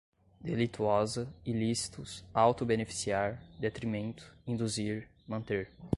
delituosa, ilícitos, auto-beneficiar, detrimento, induzir, manter